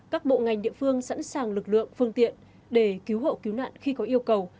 các bộ ngành địa phương sẵn sàng lực lượng phương tiện để cứu hộ cứu nạn khi có yêu cầu